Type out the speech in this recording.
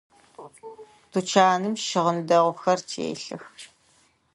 Тучаным щыгъын дэгъухэр телъых.